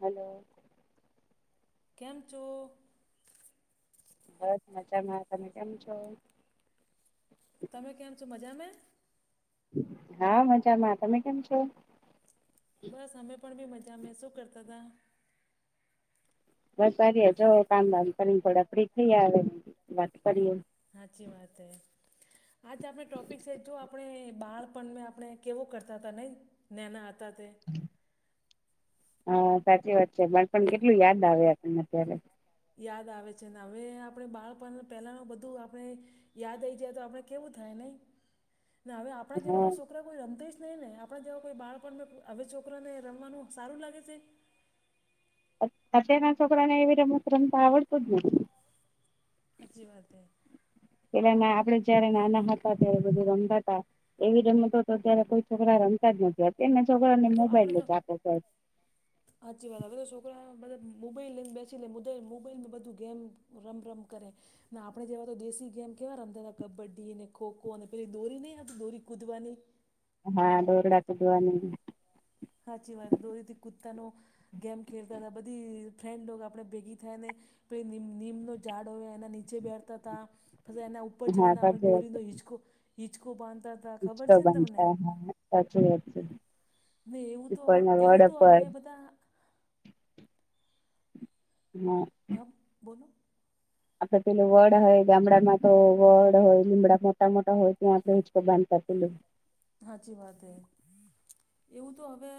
Hello કેમ છો? બસ મજામાં તમે કેમ છો? તમે કેમ છો મજા મા? હા મજામાં તમે કેમ છો? બસ અમે પણ બી મજા મે શું કરતા તા બસારીએજો કામ વામ કરીને થોડા ફ્રી થઈ આવે વાત કરીએ. હાચી વાત હૈ આજ આપણે ટોપિક છે જો આપણે બાળપણને આપણે કેવો કરતા હતા નઈ નાના આ હતા તે હા સાચી વાત છે બાપણ ના કેટલું યાદ આવે આપને અત્યારે યાદ આવે છે ને હવે આપણે બાળપણ પહેલાનું બધું આપણે યાદ આઈ જાય તો આપણે કેવું થાય નહી ને હવે આપણા જેવા હા તો સુખ છોકરા કોઈ રમતેઈસ નહીં ને આપણા જેવા કોઈ બાળપણ હવે છોકરાને રમવાનું સારું લાગે છે. અતે ના છોકરાને એવી રમત રમતા આવડતું જ નહી. હાચી વાત હે પેલાના આપડે જયારે નાના હતા ત્યારે બધું રમતા તા. એવી રમતો તો અત્યારે કોઈ છોકરા રમતા જ નથી હો ને છોકરા ને મોબાઈલ જ આપવો પડે. હાચી વાત હવે તો છોકરા બધા મોબાઈલ લઈને બેસી લે મોદાઈ મોબાઈલમાં બધું ગેમ રમ રમ કરે. ના આપણે જેવા તો દેશી ગેમ કેવા રમતા હતા કબડ્ડી ને ખોખો ખોને પેલી દોરી નહી આવતી દોરી કૂદવાની હા દોરડા કુદવાની. સાચી વાત દોરીથી કુત્તાનો ગેમ ખેલતા હતા બધી ફ્રેન્ડ આપણે ભેગી થાય ને પેલી નિમનીમનો ઝાડ હોય એના નીચે બેઠતા હતા પછી એના ઉપ ઉપર હા ચઢને આપણે સાચી વાત છે દોરીને હિચકો હિચકો બાંધતા હતા હિચકો ખબર છે ને તમને? બાંધતા હા સાચી વાત છે. ને એવુ તો પીપળના એવું વડ તો પર હવે બધા હા હા બોલો આપડ પેલું વડ હોય ગામડામાં તો વડ હોય લીમડામાં ટા મોટા હોય ત્યાં આપણે હિંચકો બાંધતા પેલા સાચી વાત એ એવું તો હવે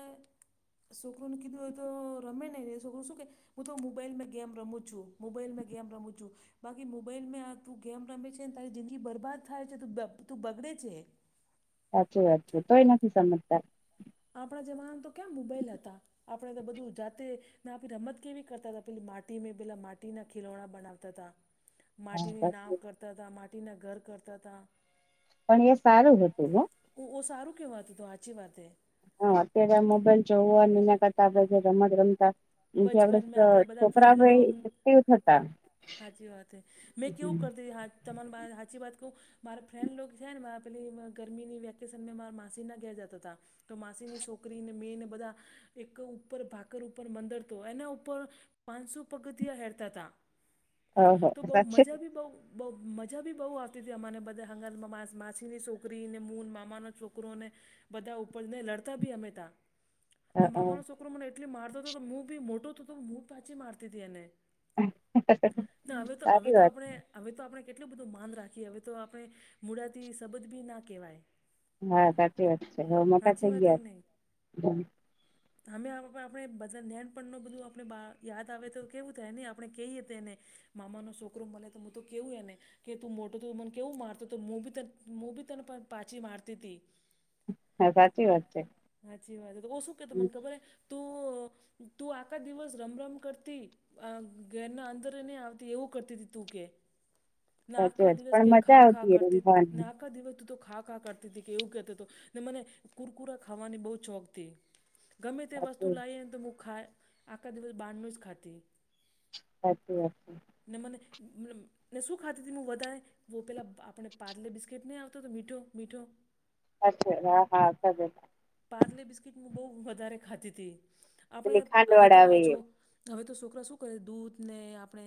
છોકરુંને કીધું હોય તો રમે નહીં રહે છોકરું શું કે હું તો મોબાઈલમાં ગેમ રમું છું મોબાઈલમાં ગેમ રમું ચુ બાકી મોબાઈલમે આ તું ગેમ રમે છે ને તારી જિંદગી બરબાદ થાય છે તું બબ-બગડે છે. સાચી વાત છે તોય નથી સમજતા. આપણા જમાનામાં તો કેમ મોબાઈલ હતા. આપણે તો બધું જાતે ને આપણી રમત કેવી કરતા હતા પેલી માટી મે પેલા માટીના ખિલોણા બનાવતા હતા. માટીની નાવ કરતા હતા માટીના ઘર કરતા હતા. પણ એ સારું હતું હો. ઓ ઓ સારું કહેવાતુ તુ તો હાચી વાત હે. હા અત્યારે આ મોબાઈલ જોવું અને એના કરતા રમત આપડે જે રમતા એથી આપડે બચપન મે આપણા બધા છોકરા ફ્રેન્ડ ભાઈ લોગ એક્ટિવ થતા હાચી વાત મેં કેવું કરતી તમાન બા હાચી વાત કઉ મારા ફ્રેન્ડ લોગ છે ને મારા પેલી ગરમીની વેકેશનમાં મારા માસી ના ઘેર જતા હતા. તો માસીની છોકરીને મેંને બધા એક ઉપર ભાકર ઉપર મંદર તો એના ઉપર પાંચસો પગથિયા હેડતા હતા. ઓહો તો બઉુ સાચે મજા ભી બઉ બહુ મજા બી બહુ આવતી હતી અમાને બધાને હંગાથે મા માસીની છોકરીને મૂન મામાના છોકરોને બધા ઉપરને લડતા બી અમે ત્યાં આ મામાનો છોકરો મને એટલી મારતો હતો કે હું બી મોટો થ હતો હું બી પાછી મારતી હતી એને ના હવે તો હવે સારી તો વાત આપણે હવે તો આપણે કેટલું બધું માન રાખીએ હવે તો આપણે મુડાથી શબદ બી ના કહેવાય. હા સાચી વાત છે હવે મોટા સાચી થઈ વાત કે ગયા. નહીં અમે આ આપણે બધા [unintelligible] પણનો બધું આપણે બા યાદ આવે તો કેવું થાય ની આપણે કહીએ તેને મામાનો સોકરો મલે તો મુ તો કેવું એ ને કે તું મોટું તું મને કેવું મારતો તો મુબી તન મુબી તને પાછી મારતી હતી. હા સાચી વાત છે હાચી વાત છે તો ઓ શું કેતો મને ખબર હે તું અ તું આખા દિવસ રમ રમ કરતી આ ઘરના અંદરે નહી આવતી એવું કરતી હતી તું કે નાક સાચી કા વાત દિવસ પણ કે મજા ખા ખા આવતી કરતી ને રમવાની આખા દિવસ તું તો ખા ખા કર તીતી કે એવું કેતોતો ને મને કુરકુરા ખાવાની બહું ચોકથી ગમે તે વસ્તુ સાચી લાએને તો મુ ખા આખા દિવસ બારનું જ ખાતી સાચી વાત છે. મને મ ને સુખાધ હતી હું વધારે વહ પેલા આપણે પારલે બિસ્કીટ નહીં આવતો તો મીઠો મીઠો અચ્છા હા હા પારલે ર્બિસ્કીટ હ બહુ વધારે ખાતી હતી આપણે પેલી ખાંડ હવે વાળા તો આવે એ. હવે તો છોકરા શું કરે દૂધને આપણે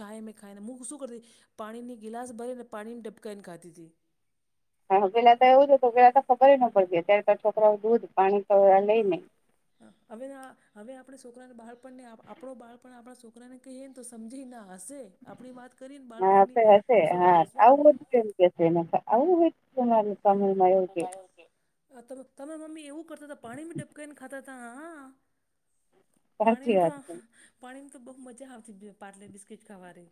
ચાાય મેં ખાઈને મૂ શું કરતીતી-' પાણીની ગિલાસ ભરીને પાણી ડબકાઈને ખાતી હતી. હા પેલા તો એવું છે હતું પેલા તો ખબર ન પડતી અત્યારે તો છોકરાઓ દૂધ પાણી લઈ નઈ હ હવે હવે આપણે છોકરાને બાળપણને આપણ બાળપણ આપણા છોકરાને ક તો સમજી ના હસે આપણી વાત કરીને હા બાળપણની તો છોકરા હસવા મળે. ન આવું હોચ તમારે? ત મળ [inaudible] તમામે મમ્મી એવું કરતા હતા પાણી ડબકાઈ ને ખાતા ત હા પાણી સાચી તો વાત છે. પાણીમાં તો બહુ મજા આવતી પાારલે બિસ્કીટ ખાવાની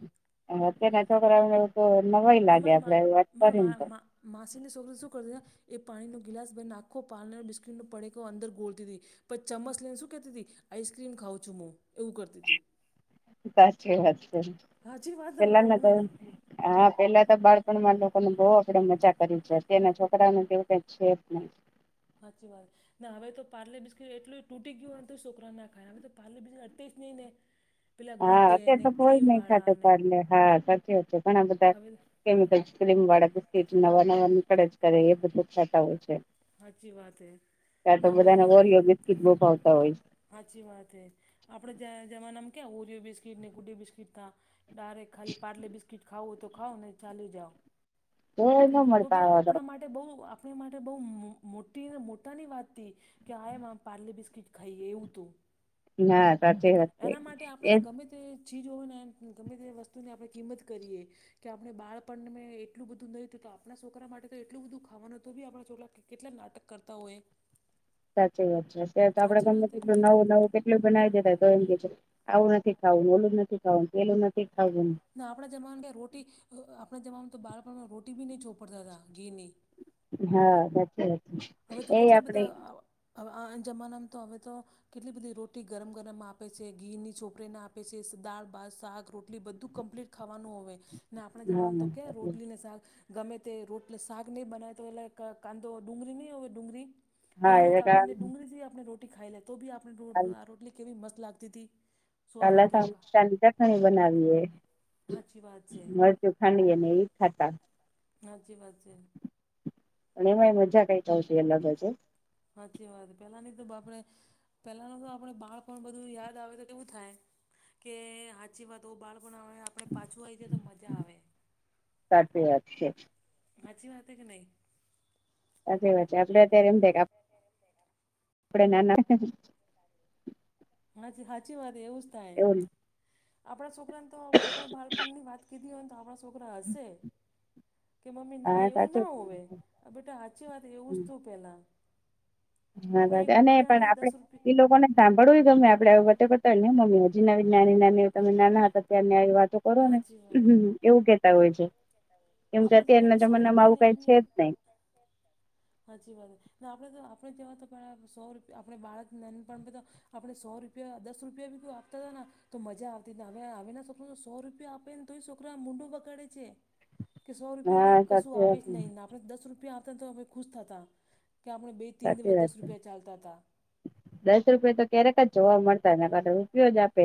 હ અત્યારના છોકરાઓને તો નવાઈ લાગે આપડે વાત કરી ને તો માસીને છોકરી શું કરતીને એ પાણીનો ગ્લાસ બને આખો પારલે બિસ્કીટનો પડકો અંદર ગોળતી હતી. પછી ચમ્મસ લઈને શું કેતી તી આઈસક્રીમ ખાઉં છું હું એવું કરતી તી. સાચી વાત શે હાચી વાત પેલાના તમારી જમા હા પેલા તો બાળપણમાં લોકોને બહુ આપડે મજા કરી છે. અત્યાર ના છોકરાઓ ને કેવું કઈ છે નહી. સાચી વાત છે. ના હવે તો પારલે બિસ્કીટ એટલુ તૂટી ગયું હોયને તો છોકરા ના ખાય હવે તો પારલે બિસ્કીટ અડતા જ નહીં ને. પેલા ગુડ હા ડે અત્યારે ને તો કોઈ ક્રીમ નહી વાળા ખાતા ને પારલે હા સાચી વાત છે. ઘણા હવે બધા ક્રીમવાળા બિસ્કિટ નવા નવા નિકળા જ કરે એ બધું ખાતા હોય છે. સાચી વાત હે કાં તો હવે બધાને બધા ઓરિયો બિસ્કીિટ બહુ ભાવતા હોય છે. સાચી વાત એ આપડે જમાનામાં ક્યા ઓરિયો બિસ્કીટ ને ગૂડે બિસ્કીટ તા કયારેક ખાલી પારલે બિસ્કીટ ખાવું તો ખાવ નહીં તો ચાલી જાઓ. હ [inaudible] તો બી આપણા માટે બહુ આપણી માટે બહુ મોટીને મોટાની વાત હતીથી. કે આ એમ આમ પારલે બિસ્કિટ ખાઈએ એવું તું. હા સાચી વાત છે એના માટે આપણે એજ ગમે તે ચીજ હોય ને ગમે તે વસ્તુની આપણે કિંમત કરીએ. કે આપણે બાળપણ એટલું બધું નહ હતું તો, આપણા છોકરા માટે તો એટલું બધું ખાવાનું હતું બી આપણા છોકરા કેટલા નાટક કરતા હોય સાચી વાત છે અત્યારે તો આપણેે સાચી ગમે વાત છે કેટલું કે નવું નહીં નવું કે પેલું બનાવી દેતા તો એમ કે આવું નથી ખાવું ઓલું નથી ખાવું પેલું નથી ખાવું. ના આપણા જમાનામાં ક્યા રોટી આપણા જમાનામાં તો બાળપણમાં રોટી બી નહીં છોપડતા ઘીની. હા સાચી હવે તો વાતી એ કેટલા આપડે બધા આ હવે આ જમાનામાં તો હવે તો કેટલી બધી રોટી ગરમ ગરમ આપે છે ઘીની ચોકરીને આપે છે, દાળ, ભાત, શાક, રોટલી બધું કમ્પ્લીટ ખાવાનું હોય ને આપણા હા જમાનું તો કે રોટલી ને શાક ગમે તે રોટલી ને શાક નહીં બનાાય તો એલે ક કાંધો ડુંગળી નહીં હોવે ડુંગળી હા ડુંગળી એટલે કાપીને કાલ ડુંગળથી આપણે રોટી ખાઈ લે તો બી આપણે રોટલી કેવી મસ્ત લાગતી હતી. કા સ્વાદ આવતો લસણ હતો કા ની ચટણી બનાવીએ. સાચી વાત છે જો ખાંડી અને એ ખાતા. હાચી વાત છે. પણ એમાં એ મજા કઈ ક આવશે અલગ જ. સાચી વાત પેલા ની તો આપડે પેલાનું તો આપડે બાળપણ બધું યાદ આવે તો કેવું થાય? કે સાચી વાત ઓ બાળપણ બનાવે આપડે પાછું આવી જાય તો મજા આવે. સાચી વાત છે. હાછી વાત કે નહી? સાચી વાત છે આપડે અત્યારે એમ થાય કે આપણે નાના [inaudible] હ સાચી વાત એવું જ થાય. એવું આપણા, છોકરા તો આપણ બાળપણ ની વાત કીધી હોય તો આપણા છોકરા હશે. કે મમ્મી ના હા એવું સાચું ના હોવે, બેટા સાચી વાત એવું જ તું પહેલા. હા અને પણ આપડે દસ ઈ રૂપિયા લોકો ને સાંભળવુંય ગમે આપડે વાતો કરતાય ને મમ્મી હજી નાની નાની તમે નાના હતા ત્યારે આવી વાતો છોડો ને સાચી વાત એવું કહેતા હોય છે. એમ કે આપણે તો અત્યારના પહેલાં સો જમાનામાં આવું રૂપિયાની કઈ છે બી જ નહી. સાચી વાત આપણે તો આપણે જેવા તો પણ સો રૂપિયા આપણે બાળક નાનપણ બધા આપણે સો રૂપિયા દસ રૂપિયા બી કોઈ આપતા હતા. તો મજા આવતી ને હવે આવેના છોકરોને સો રૂપિયા આપે ને તોય છોકરાઓ મોંઢુ બગાડે છે. કે સો રૂપિયાથી હા કશું સાચી આવે વાત જ નહીને આપણે દસ રૂપિયા આવતાને તો અમે ખુશ થતા કે, આપણે બે ત્રણ સાચી દિવસ વાત દસ છે. રૂપિયા ચાલતા હતા દસ રૂપિયા તો ક્યારેક જ જોવા મળતા ને રૂપિયો જ આપે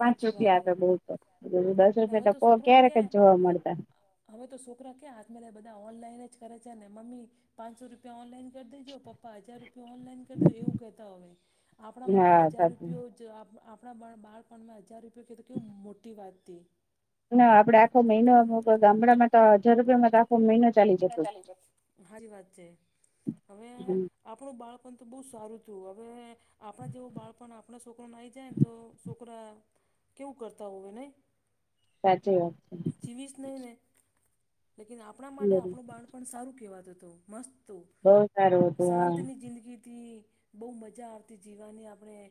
પાંચ સાચી રૂપિયા વાત હે આપે બહુ તો દસ ને હવે રૂપિયા તો છોકરોને ક્યારેક જ જોવા ક્યાંય મળતા. હવે તો છોકરા ક્યાં હાથ લે બધા ઓનલાઈન જ કરે છે ને મમ્મી પાંચસો રૂપિયા ઓનલાઈન કરી દેજો પપ્પા હજાર રૂપિયા ઓનલાઈન કરી દો એવું કહેતા હોય. આપણા માટે હા હજાર સાચું રૂપિયો જો આપણા બાળપણમાં હજાર રૂપિયો કે તો કેવું મોટી વાત હતી. ના આપડે આખો મહિનો ગામડામાં તો હજાર રૂપિયામાં તો આખો મહિનો ચાલી જતો સાચી વાત છે હવે. હમ આપણું બાળપણ તો બહુ સારું હતું હવે આપણા જેવું બાળપણ આપણાં છોકરાને આવી જાય ને તો છોકરા કેવું કરતા હોય નહી. સાચી વાત છે. જીવીશ નહીં ને લેકીન આપણા માટે વાત આપણું બાણપણ સારું કહેવાતું મસ્ત. તો બહુ સારું હતું હા શાંતની જિંદગીથી બહુ મજા આવતી જીવાની આપણે.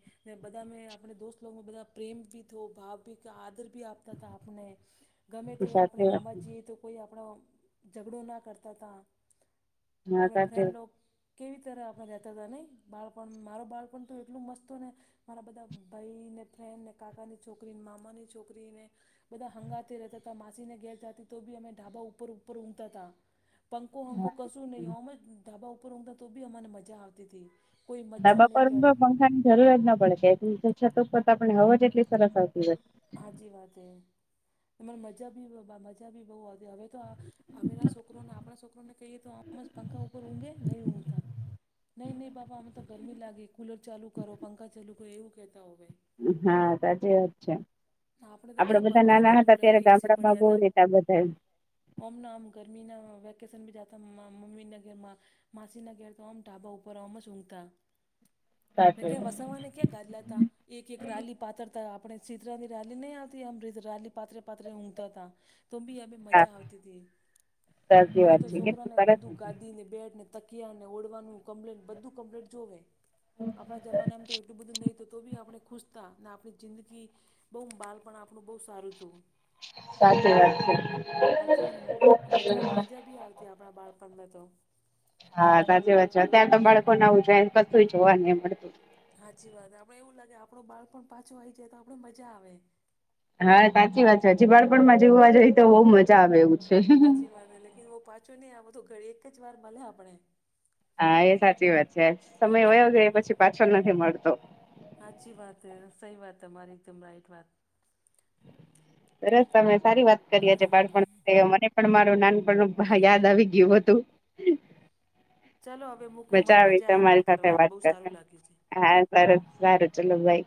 બધા મેં આપણે દોસ્તમાં બધા પ્રેમ ભી ભાવ ભી આદર ભી આપ તથા આપણે ગમે તે આપણે સાચી વાત રમવાજીએ. તો કોઈ આપણો ઝઘડો ના કરતા ત હા આપણે સાચી ફ્રેન્ડ કેવી રીતે તરફ આપણે રહેતા હતા નહીં બાળપણ મારો બાળપણ તો એટલું મસ્તતું ને મારા બધા ભાઈ ને ફ્રેન્ડ ને કાકાની છોકરી મામાની છોકરીને બધા હંગાથે રહેતા હતા માસીને ઘેર જાતી તો બી અમે ઢાબા ઉપર ઉપર ઊંઘતા હતા. પંખો હંખો કશું નહી વાત ઓમ જ ઢાબા ઉપર ઊઘતા તો બી અમને મજા આવતી તી. ધાબા પર પંખા ની જરૂર જ ના પડે કે છતો ઉપર તો આપને હવાજ એટલી સરસ આવતી હોય. હાજી વાત એ એને મજા બી મજા બી બહુ હતી હવે તો આ હવે ના છોકરોને આપણા છોકરોને કહીએ તો આમ જ પંખા ઉપર ઊંઘે નહી ઊંઘતા. નહીં નહીં બાબા આમે તો ગરમી લાગી કુલર ચાલુ કરો પંખા ચાલુ કરો એવું કહેતા હોય. હા સાચી વાત છે. આપણે તો આપડે ક્યાં બધા પંખા ને નાના હતા કુલર ને ત્યારે ગામડામાં બહું રહેતા બધા ઓમ ના આમ ગરમીના વેકેશન ભી જાતા મમ્મીના ઘરમાં માસી ના ઘેર તો આમ ઢાબા ઉપર આમ જ ઊંઘતા [unintelligible] ને ક્યા વાત વસાવાને ક્યાં ગાદલા તા એક એક રાલી પાથરતા આપણે ચિથરા રાલી નહી આવતી એમ રીતે રાલી પાથરી પાથરી ઊઘતાતા તો બી અમૅ હા મજા આવતી હતી સાચી હવે વાત તો છે કેટલું છોકરાને સરસ બધું હતું. ગાદી ને બેડ ને તકી કિયાને ઓડવાનું કમ્લેન્ટ બધું કમ્પલેન્ટ જોવે. આપણા જમાનામાં તો એટલું બધું નહી હતું તો બી આપણે ખુશતા ને આપણી જિંદગી બહુ બાલપણ આપણું બહુ સારું હતું. સાચી વાત છે હાચી વાત ને મજા મજા બી આવતી આપણા બાળપણમાં તો. હા સાચી વાત છે અત્યાર તો બાળકો ના ઉજાય કશું જોવા નઈ મળતું. હાચી વાત હે આપડે એવું લાગે આપડુ બાળપણ પાછો આઈ જાય તો આપડે મજા આવે. હા સાચી વાત છે હજી બાળપણ માં જીવવા જઈએ તો બઉ મજા આવે એવું છે. હાચી વાત લેકિન ઓ પાછો નહી આવે બધું ઘર એક જ વાર મળે આપને. હા એ સાચી વાત છે સમય વયો ગયો પછી પાછો નથી મળતો. હાચી વાત હે સહી વાત તમારી એકદમ રાઈટ વાત. સરસ તમે સારી વાત કરી આજે બાળપણ વિશે મને પણ મારું નાનપણ નું યાદ આવી ગયું બધું. ચાલો હવે મૂકું મજા મને આવી તમારી સાથે કરવાની વાત બહુ કરી સારું લાગ્યું છે ને સારુ સારુ ચલો બાય.